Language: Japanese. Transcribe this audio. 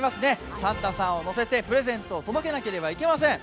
サンタさんを乗せてプレゼントを届けないといけません。